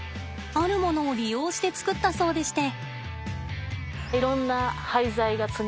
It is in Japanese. あるものを利用して作ったそうでして。